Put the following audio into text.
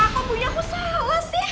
kok punya aku salah sih